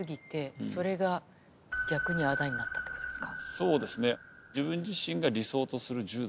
そうですね。